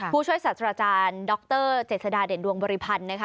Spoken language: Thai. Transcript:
ผู้ช่วยสัตว์อาจารย์ดรเจษฎาเด่นดวงบริพันธ์